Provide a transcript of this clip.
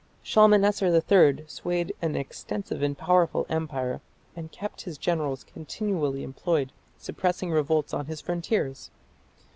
Shalmaneser III swayed an extensive and powerful empire, and kept his generals continually employed suppressing revolts on his frontiers.